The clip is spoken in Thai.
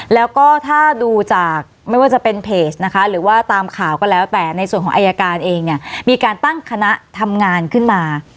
แล้วก็ตรวจสำนวนนะคะ